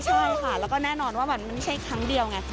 ใช่ค่ะแล้วก็แน่นอนว่ามันไม่ใช่ครั้งเดียวไง